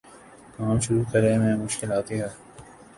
کام شروع کرے میں مشکل آتی ہے